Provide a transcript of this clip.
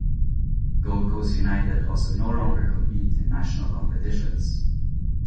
Gold Coast United also no longer compete in national competitions.